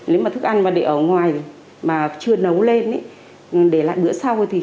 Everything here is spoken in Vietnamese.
nếu mà thức ăn mà để ở ngoài mà chưa nấu lên ý để lại bữa sau thì